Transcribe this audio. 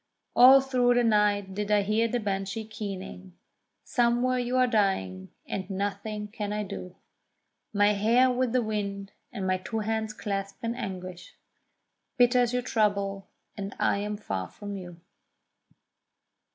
All through the night did I hear the Banshee keening: Somewhere you are dying, and nothing can I do; My hair with the wind, and my two hands clasped in anguish; Bitter is your trouble—and I am far from you.